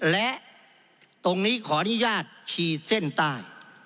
และตรงนี้ขออนุญาตขีดเส้นใต้